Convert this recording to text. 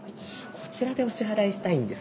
こちらでお支払いしたいんですが。